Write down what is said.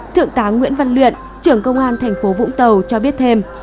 thượng tá nguyễn văn luyện trưởng công an thành phố vũng tàu cho biết thêm